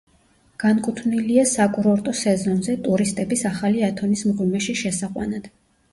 განკუთვნილია საკურორტო სეზონზე ტურისტების ახალი ათონის მღვიმეში შესაყვანად.